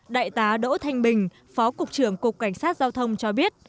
đại tá đỗ thanh bình phó cục trưởng cục cảnh sát giao thông cho biết